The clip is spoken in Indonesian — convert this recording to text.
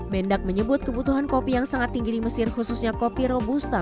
mendak menyebut kebutuhan kopi yang sangat tinggi di mesir khususnya kopi robusta